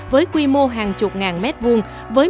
với quy mô hàng chục ngàn mét vuông